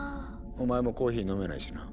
お前もコーヒー飲めないしな。